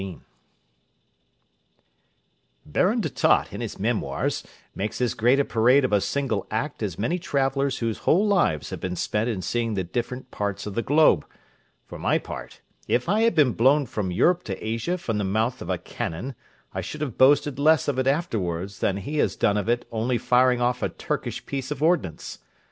_ Baron de Tott, in his Memoirs, makes as great a parade of a single act as many travellers whose whole lives have been spent in seeing the different parts of the globe; for my part, if I had been blown from Europe to Asia from the mouth of a cannon, I should have boasted less of it afterwards than he has done of only firing off a Turkish piece of ordnance.